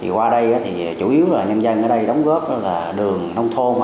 qua đây chủ yếu là nhân dân đóng góp đường nông thôn